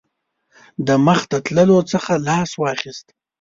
د مخته تللو څخه لاس واخیست.